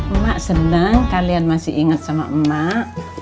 emak seneng kalian masih inget sama emak